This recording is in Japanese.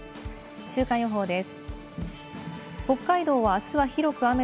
週間予報です。